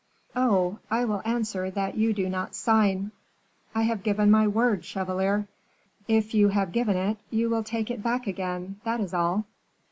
"Oh! I will answer that you do not sign." "I have given my word, chevalier." "If you have given it, you will take it back again, that is all."